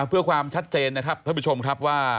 เพื่อความชัดเจนนะครับท่านผู้ชมครับว่า